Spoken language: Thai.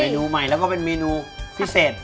นูใหม่แล้วก็เป็นเมนูพิเศษ